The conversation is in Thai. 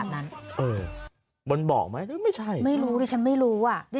นั่งรงใช่ไหมอ๋อใจโต